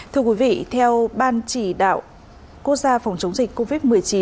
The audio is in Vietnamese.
thưa quý vị theo ban chỉ đạo quốc gia phòng chống dịch covid một mươi chín